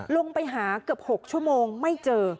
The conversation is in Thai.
ลงไปหาเกือบ๖ชั่วโมงไม่เจอ